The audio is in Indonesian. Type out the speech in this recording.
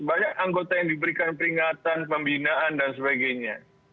banyak anggota yang diberikan peringatan pembinaan dan sebagainya